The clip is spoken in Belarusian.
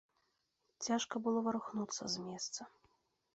Цяжка было варухнуцца з месца.